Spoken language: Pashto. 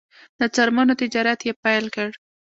د څرمنو تجارت یې پیل کړ.